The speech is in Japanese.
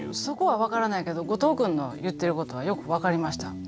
そこは分からないけど後藤君の言ってることはよく分かりました。